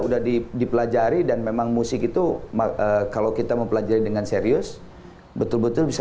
udah dipelajari dan memang musik itu kalau kita mempelajari dengan serius betul betul bisa